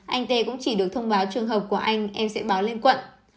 anh tê cũng chỉ được thông báo trường hợp của anh em sẽ báo lên quận